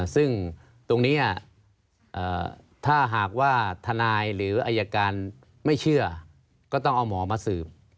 ซึ่งตรงนี้ถ้าหากว่าทนายหรืออายการไม่เชื่อก็ต้องเอาหมอมาสืบ